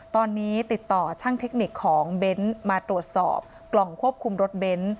ตอนนี้ติดต่อช่างเทคนิคของเบ้นมาตรวจสอบกล่องควบคุมรถเบนท์